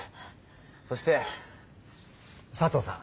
そして佐藤さん。